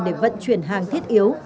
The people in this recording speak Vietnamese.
để vận chuyển hàng thiết yếu